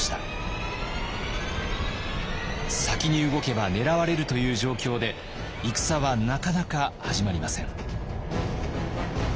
先に動けば狙われるという状況で戦はなかなか始まりません。